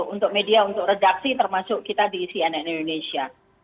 untuk media untuk redaksi termasuk kita di cnn indonesia